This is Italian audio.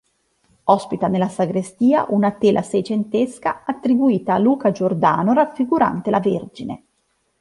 Ospita nella sagrestia una tela seicentesca attribuita a Luca Giordano raffigurante la Vergine.